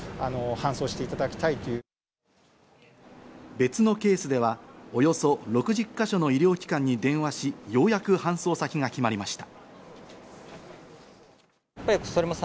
別のケースではおよそ６０か所の医療機関に電話し、ようやく搬送先が決まりました。